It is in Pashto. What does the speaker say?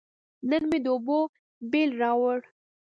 نن مې د اوبو بیل راووړ.